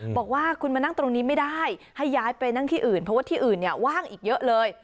บอกว่าคุณมานั่งตรงนี้ไม่ได้ให้ย้ายไปนั่งที่อื่นเพราะว่าที่อื่นเนี่ยว่างอีกเยอะเลย